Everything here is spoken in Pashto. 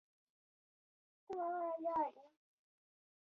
جنرالان د تازه دمه قواوو په انتظار دي.